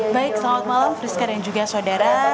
baik selamat malam friska dan juga saudara